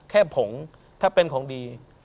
ผงถ้าเป็นของดี